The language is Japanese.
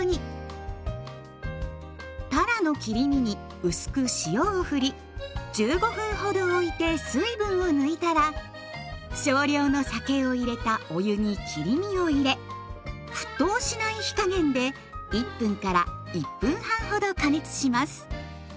たらの切り身に薄く塩をふり１５分ほどおいて水分を抜いたら少量の酒を入れたお湯に切り身を入れ沸騰しない火加減で１分から１分半ほど加熱します。